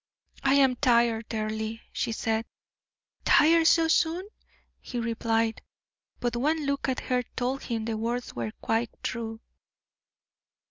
"I am tired, Earle," she said. "Tired so soon!" he replied. But one look at her told him the words were quite true.